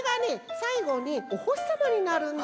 さいごにおほしさまになるんだ。